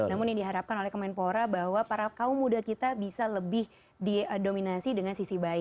namun yang diharapkan oleh kemenpora bahwa para kaum muda kita bisa lebih didominasi dengan sisi baik